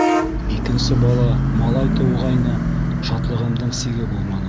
Икенсе бала - малай тыуғайны, шатлығымдың сиге булманы.